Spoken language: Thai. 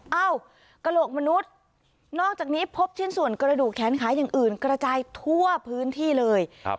เอ้ากระโหลกมนุษย์นอกจากนี้พบชิ้นส่วนกระดูกแขนขาอย่างอื่นกระจายทั่วพื้นที่เลย